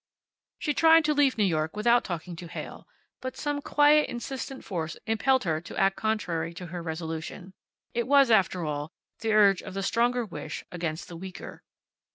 She tried to leave New York without talking to Heyl, but some quiet, insistent force impelled her to act contrary to her resolution. It was, after all, the urge of the stronger wish against the weaker.